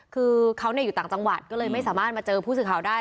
คือเขาอยู่ต่างจังหวัดก็เลยไม่สามารถมาเจอผู้สื่อข่าวได้